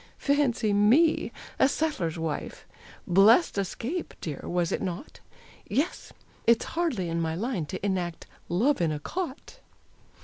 Fancy me a settler's wife! Blest escape, dear, was it not? Yes; it's hardly in my line To enact "Love in a Cot."